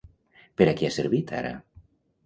Per a què ha servit ara?